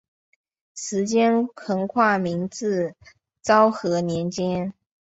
时间横跨明治至昭和年间。